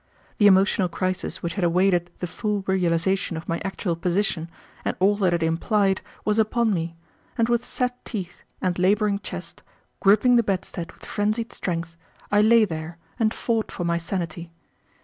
The emotional crisis which had awaited the full realization of my actual position, and all that it implied, was upon me, and with set teeth and laboring chest, gripping the bedstead with frenzied strength, I lay there and fought for my sanity.